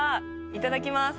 いただきます。